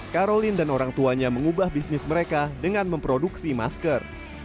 karolin dan orang tuanya mengubah bisnis mereka dengan memproduksi masker